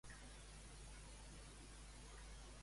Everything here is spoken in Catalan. Voldria que desactivessis l'app de Caixabank.